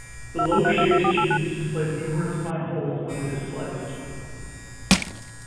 The loaf-shaped cheese displays numerous fine holes when it is sliced.